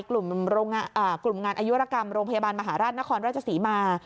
กลุ่มงานอายุรกรรมโรงพยาบาลมหาราชนครราชศรีมา